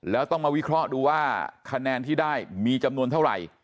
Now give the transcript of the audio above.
แล้วต้องมาวิเคราะห์ดูว่าคะแนนที่ได้มีจำนวนเท่าไหร่